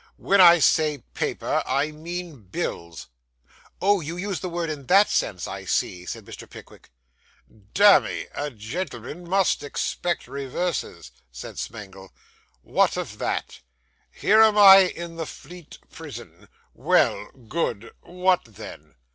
When I say paper, I mean bills.' 'Oh, you use the word in that sense. I see,' said Mr. Pickwick. 'Damme! A gentleman must expect reverses,' said Smangle. 'What of that? Here am I in the Fleet Prison. Well; good. What then?